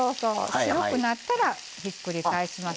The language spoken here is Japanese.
白くなったらひっくり返します。